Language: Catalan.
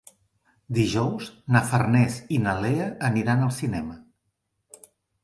Dijous na Farners i na Lea aniran al cinema.